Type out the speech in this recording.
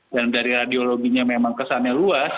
dan dari radiologinya memang kesannya luas